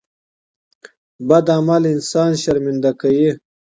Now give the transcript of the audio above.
بد عمل انسان شرمنده کوي.